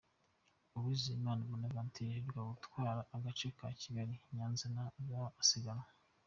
Uwizeyimana Bonaventure uheruka gutwara agace ka Kigali-Nyanza nawe azaba asiganwa .